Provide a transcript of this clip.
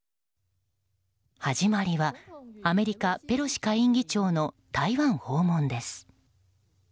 始まりはアメリカペロシ下院議長の台湾訪問です。